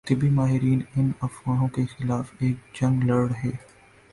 طبی ماہرین ان افواہوں کے خلاف ایک جنگ لڑ رہے